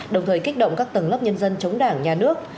đồng thời kích động các tầng lớp nhân dân chống đảng nhà nước